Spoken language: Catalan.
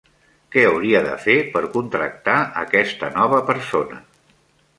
Què hauria de fer per contractar aquesta nova persona?